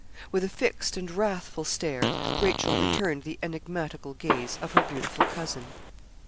With a fixed and wrathful stare Rachel returned the enigmatical gaze of her beautiful cousin.